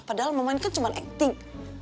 padahal mama ini kan cuma acting